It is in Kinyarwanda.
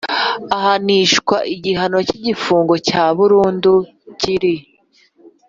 Ahanishwa igihano cy igifungo cya burundu kiri